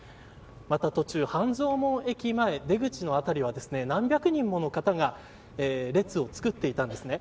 また、途中半蔵門駅前、出口の辺りは何百人もの方が列を作っていたんですね。